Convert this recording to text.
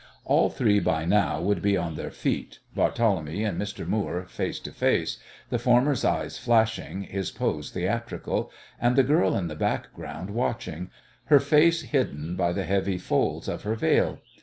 All three by now would be on their feet, Barthélemy and Mr. Moore face to face, the former's eyes flashing, his pose theatrical; and the girl in the background watching, her face hidden by the heavy folds of her veil.